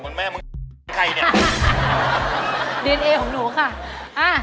นีนเอของหนูค่ะ